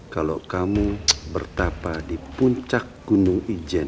kalau kamu bertapa di puncak gunung ijen